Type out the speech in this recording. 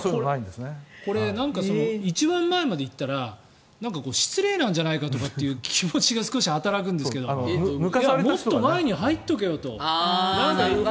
一番前まで行ったら失礼なんじゃないかとかって気持ちが少し働くんですがもっと前に入っておけよと。